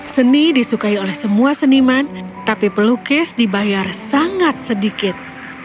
seni disukai oleh semua seniman tapi pelukis dibayar sangat sedikit